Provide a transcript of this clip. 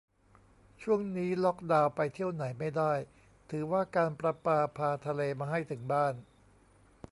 ช่วงนี้ล็อกดาวน์ ไปเที่ยวไหนไม่ได้ ถือว่าการประปาพาทะเลมาให้ถึงบ้าน